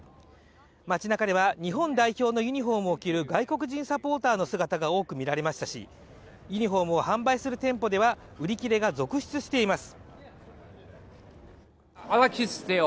街なかでは日本代表のユニフォームを着る外国人サポーターの姿が多く見られましたしユニフォームを販売する店舗では売り切れが続出しています。